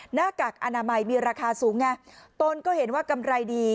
หน้ากากอนามัยมีราคาสูงไงตนก็เห็นว่ากำไรดี